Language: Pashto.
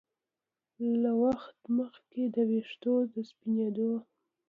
له وخت مخکې د ویښتو د سپینېدو